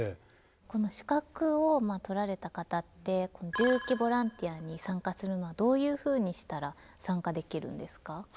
この資格を取られた方って重機ボランティアに参加するのはどういうふうにしたら参加できるんですか？